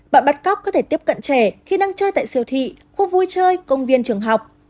bạn bắt cóc có thể tiếp cận trẻ khi đang chơi tại siêu thị khu vui chơi công viên trường học